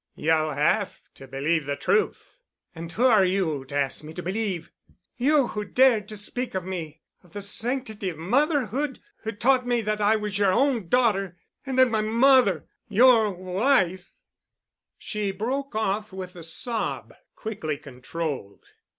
"You'll have to believe the truth!" "And who are you to ask me to believe? You who dared to speak to me of the sanctity of motherhood, who taught me that I was your own daughter—and that my mother, your wife——" She broke off with a sob, quickly controlled.